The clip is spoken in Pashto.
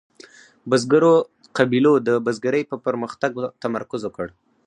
بزګرو قبیلو د بزګرۍ په پرمختګ تمرکز وکړ.